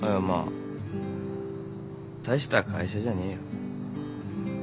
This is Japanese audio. まあ大した会社じゃねえよ。